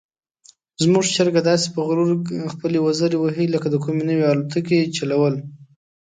زموږ چرګه داسې په غرور خپلې وزرې وهي لکه د کومې نوې الوتکې چلول.